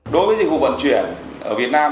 đối với dịch vụ vận chuyển ở việt nam